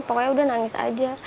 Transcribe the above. pokoknya udah nangis aja